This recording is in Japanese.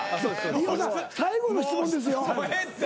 飯尾さん最後の質問ですよ。